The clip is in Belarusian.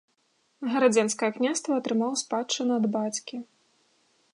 Гарадзенскае княства атрымаў у спадчыну ад бацькі.